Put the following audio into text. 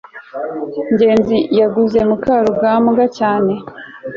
ngenzi yaguze mukarugambwa cyane